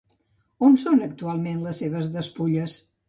On són actualment les seves despulles?